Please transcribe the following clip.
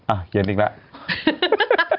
เขียนอีกแล้ว